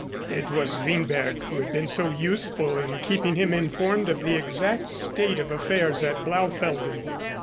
It was Lindberg who had been so useful in keeping him informed of the exact state of affairs at Blaufelden.